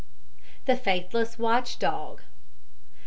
THE FAITHLESS WATCH DOG.